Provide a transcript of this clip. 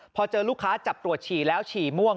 พอเจอลูกค้าจับตรวจฉี่แล้วฉี่ม่วง